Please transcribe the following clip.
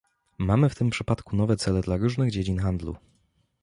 Mamy w tym przypadku nowe cele dla różnych dziedzin handlu